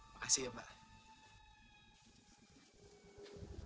mas silahkan ya minum